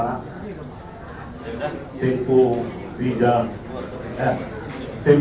gelar patuan raja pembindungan sirena